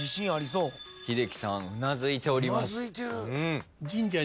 英樹さんうなずいております。